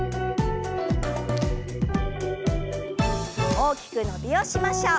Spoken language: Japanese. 大きく伸びをしましょう。